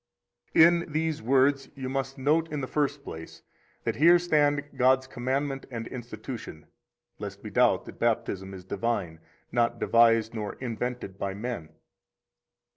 6 In these words you must note, in the first place, that here stand God's commandment and institution, lest we doubt that Baptism is divine, not devised nor invented by men.